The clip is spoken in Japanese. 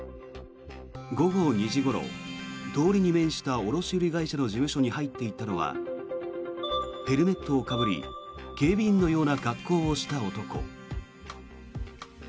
午後２時ごろ、通りに面した卸売会社の事務所に入っていったのはヘルメットをかぶり警備員のような格好をした男。